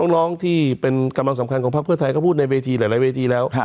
น้องที่เป็นกำลังสำคัญของพักเพื่อไทยก็พูดในเวทีหลายเวทีแล้ว